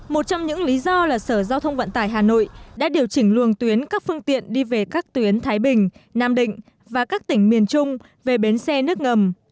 một trong những lý do là sở giao thông vận tải hà nội đã điều chỉnh luồng tuyến các phương tiện đi về các tuyến thái bình nam định và các tỉnh miền trung về bến xe nước ngầm